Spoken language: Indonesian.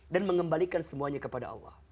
dan mengembalikan semuanya kepada allah